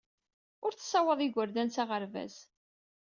Ur tessawaḍ igerdan s aɣerbaz.